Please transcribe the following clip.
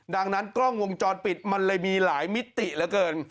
ดังนั้นกล้องวงจรปิดมันเลยมีหลายมิติเหลือเกิน